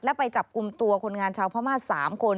และไปจับกลุ่มตัวคนงานชาวพม่า๓คน